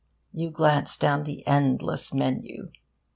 You glance down the endless menu.